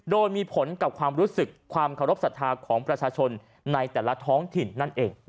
โดยมีผลกับความรู้สึกความเคารพสัทธาของประชาชนในแต่ละท้องถิ่นนั่นเอง